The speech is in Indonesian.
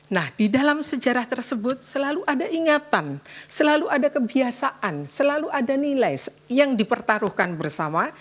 nah di dalam sejarah tersebut selalu ada ingatan selalu ada kebiasaan selalu ada nilai yang dipertaruhkan bersama